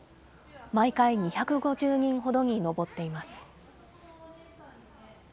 毎回２５０人ほどに上っています。